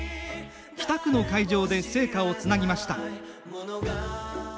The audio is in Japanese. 北区の会場で聖火をつなぎました。